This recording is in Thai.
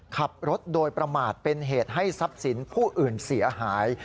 ขับรถโดยประมาทเป็นเหตุให้ทรัพย์สินผู้อื่นเสียหาย